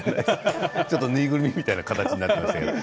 縫いぐるみみたいな形になってましたけど。